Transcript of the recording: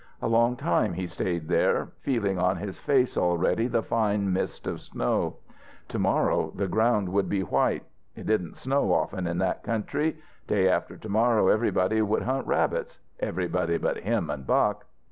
A long time he stayed there, feeling on his face already the fine mist of snow. To morrow the ground would be white; it didn't snow often in that country; day after to morrow everybody would hunt rabbits everybody but him and Buck.